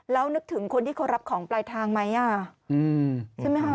แล้วนึกถึงคนที่เขารับของปลายทางไหมใช่ไหมคะ